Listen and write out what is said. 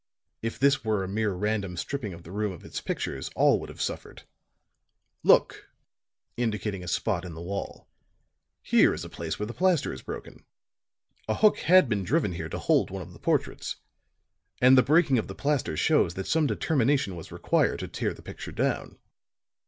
If this were a mere random stripping of the room of its pictures, all would have suffered. Look," indicating a spot in the wall, "here is a place where the plaster is broken. A hook had been driven here to hold one of the portraits; and the breaking of the plaster shows that some determination was required to tear the picture down.